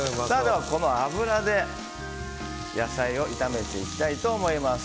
この脂で野菜を炒めていきたいと思います。